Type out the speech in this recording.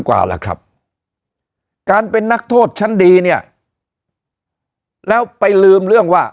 กว่าล่ะครับการเป็นนักโทษชั้นดีเนี่ยแล้วไปลืมเรื่องว่า